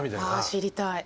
知りたい。